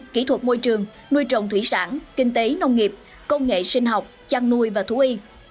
kỹ thuật môi trường nuôi trồng thủy sản kinh tế nông nghiệp công nghệ sinh học chăn nuôi và thú y